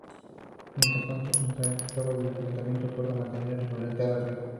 Mientras tanto, en San Cristóbal el Ayuntamiento acuerda mantener su lealtad al Rey.